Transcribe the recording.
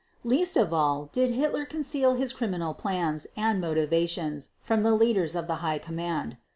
Least of all did Hitler conceal his criminal plans and motivations from the leaders of the High Command.